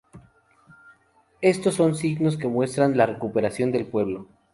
Esto son signos que muestran la recuperación del pueblo.